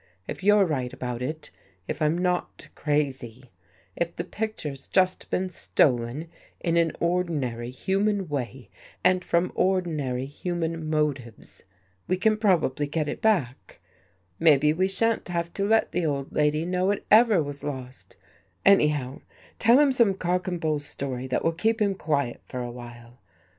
If you're right about it, if I'm not crazy, if the picture's just been stolen in an ordi nary, human way and from ordinary human motives, we can probably get it back. Maybe we sha'n't have THE JADE EARRING to let the old lady know it ever was lost. Anyhow, tell him some cock and bull story that will keep him quiet for a while.